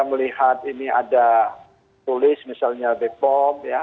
melihat ini ada tulis misalnya bepom ya